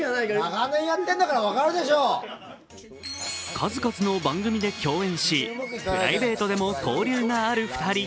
数々の番組で共演しプライベートでも交流がある２人。